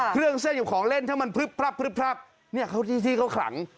เครื่องเส้นกับของเล่นถ้ามันพรึบพรับพรึบพรับเนี่ยที่เค้าขลัง